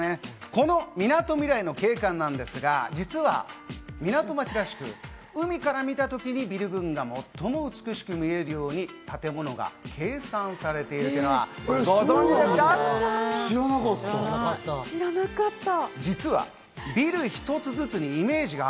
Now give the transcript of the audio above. このみなとみらいの景観なんですが、実はみなとみらいは港町らしく、海から見た時にビル群が最も美しく見えるように建物が計算されているっていうのはご存じ知らなかった。